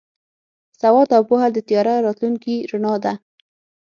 سواد او پوهه د تیاره راتلونکي رڼا ده.